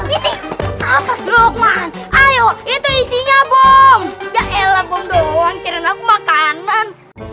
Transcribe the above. ini apa stokman ayo itu isinya bom ya elang bom doang keren aku makanan